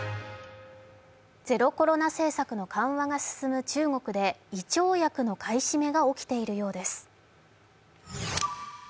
ゼロコロナ政策の緩和が進む中国で胃腸薬の買い占めが起きているようです。